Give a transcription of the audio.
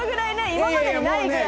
今までにないぐらい。